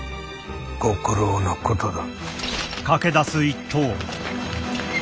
ご苦労なことだ。